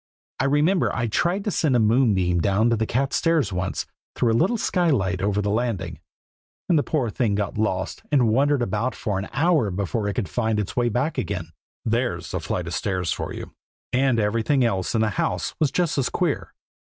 I remember I tried to send a moonbeam down the cat's stairs once, through a little skylight over the landing; and the poor thing got lost and wandered about for an hour before it could find its way back again. There's a flight of stairs for you! and everything else in the house was just as queer.